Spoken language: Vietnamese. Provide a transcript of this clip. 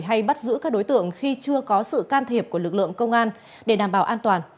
hay bắt giữ các đối tượng khi chưa có sự can thiệp của lực lượng công an để đảm bảo an toàn